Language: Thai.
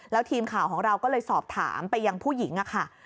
แล้วทีมข่าวของเราก็เลยสอบถามไปยังผู้หญิงค่ะ